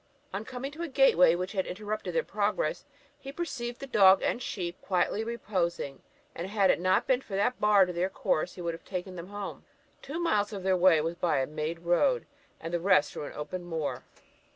On coming to a gateway which had interrupted their progress, he perceived the dog and sheep quietly reposing; and had it not been for that bar to their course he would have taken them home. Two miles of their way was by a made road, and the rest through an open moor.